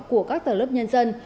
của các tờ lớp nhân dân